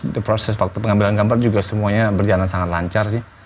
the proses waktu pengambilan gambar juga semuanya berjalan sangat lancar sih